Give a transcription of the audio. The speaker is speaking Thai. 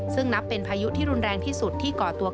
ซึ่งนับเป็นพายุรุนแรงที่ก่อตัวขึ้น